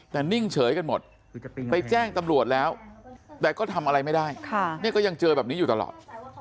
แต่นิ่งเฉยกันหมดไปแจ้งตำรวจแล้วแต่ก็ทำอะไรไม่ได้ก็ยังเจอแบบนี้อยู่ตลอด